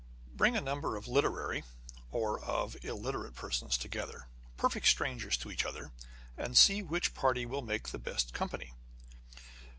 Bring a number of literary, or of illiterate persons to gether, perfect strangers to each other, and see which party will make the best company.